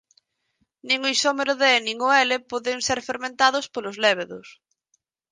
Nin o isómero D nin o L poden ser fermentados polos lévedos.